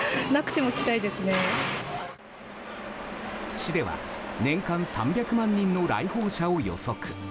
市では年間３００万人の来訪者を予測。